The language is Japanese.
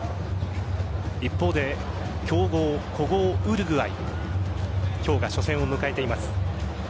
一方で強豪、古豪・ウルグアイ今日が初戦を迎えています。